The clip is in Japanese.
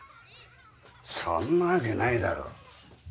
そんなわけないだろ。